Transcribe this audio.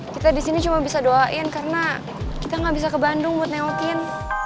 kita disini cuma bisa doain karena kita gak bisa ke bandung buat newakin